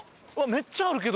めっちゃあるけど。